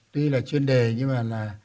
tuy là chuyên đề nhưng mà là